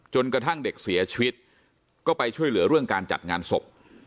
กระทั่งเด็กเสียชีวิตก็ไปช่วยเหลือเรื่องการจัดงานศพ